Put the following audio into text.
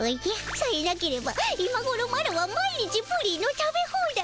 さえなければ今ごろマロは毎日プリンの食べ放題。